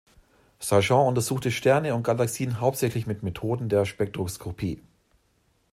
Sargent untersuchte Sterne und Galaxien hauptsächlich mit Methoden der Spektroskopie.